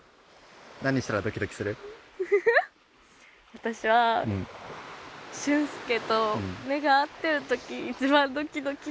私は俊介と目が合ってる時一番ドキドキします。